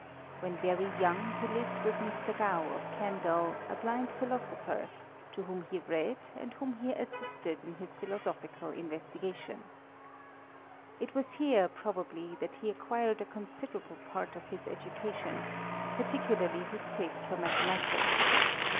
When very young he lived with Mr. Gough of Kendal, a blind philosopher, to whom he read, and whom he assisted in his philoso phical investigations It was here, probably, diat he I acquired a considerable part of his education, par ticularly his taste for mathematics.